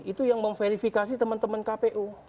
itu yang memverifikasi teman teman kpu